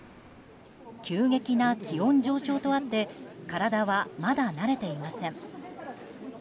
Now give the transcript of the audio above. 急激な気温上昇とあって体はまだ慣れていません。